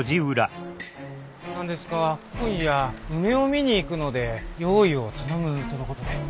何ですか今夜梅を見に行くので用意を頼むとのことで。